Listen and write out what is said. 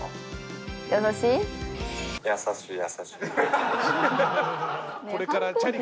優しい？